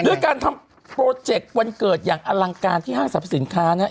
ด้วยการทำโปรเจกต์วันเกิดอย่างอลังการที่ห้างสรรพสินค้าเนี่ย